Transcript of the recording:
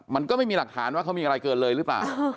มันก็ไม่มีหลักฐานว่าเขามีอะไรเกินเลยหรือเปล่า